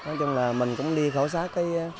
nói chung là mình cũng đi khảo sát cái